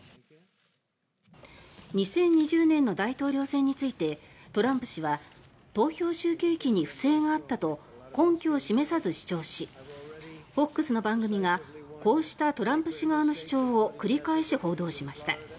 ２０２０年の大統領選についてトランプ氏は投票集計機に不正があったと根拠を示さず主張しＦＯＸの番組がこうしたトランプ氏側の主張を繰り返し報道しました。